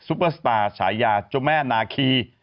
ซุปเปอร์สตาร์ฉายาโจแม่นาคี